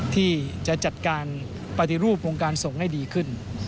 ที่จะจัดการปฏิรูปวงการส่งให้ดีขึ้น